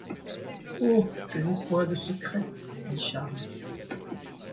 Oh ! je n’ai point de secrets, dit Charles.